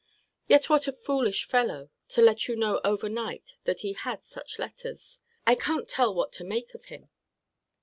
Yet what a foolish fellow, to let you know over night that he had such letters! I can't tell what to make of him.